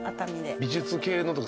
美術系のとか。